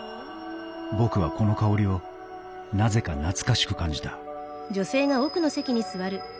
僕はこの香りをなぜか懐かしく感じた